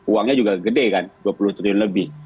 uangnya juga gede kan dua puluh triliun lebih